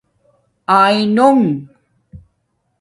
آینونݣ